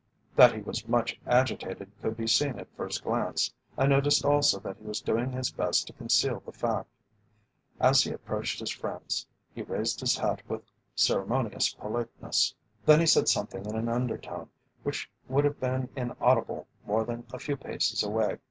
That he was much agitated could be seen at first glance. I noticed also that he was doing his best to conceal the fact. As he approached his friends, he raised his hat with ceremonious politeness. Then he said something in an undertone which would have been inaudible more than a few paces away.